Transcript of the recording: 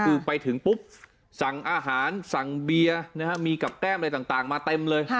คือไปถึงปุ๊บสั่งอาหารสั่งเบียร์มีกับแก้มอะไรต่างมาเต็มเลย